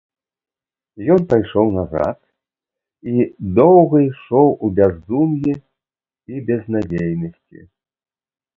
Ён пайшоў назад, і доўга ішоў у бяздум'і і безнадзейнасці.